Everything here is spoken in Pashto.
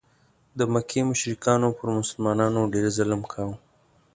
د مکې مشرکانو پر مسلمانانو ډېر ظلم کاوه.